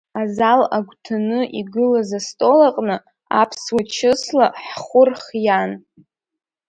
Азал агәҭаны игылаз астол аҟны, аԥсуа чысла ҳхәы рхиан.